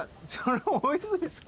大泉さん。